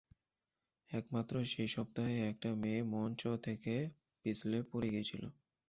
একমাত্র সেই সপ্তাহে একটা মেয়ে মঞ্চ থেকে পিছলে পড়ে গিয়েছিল।